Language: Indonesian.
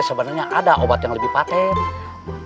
sebenarnya ada obat yang lebih patent